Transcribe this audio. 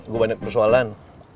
gua banyak persoalan